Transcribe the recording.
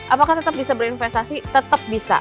apakah tetap bisa berinvestasi tetap bisa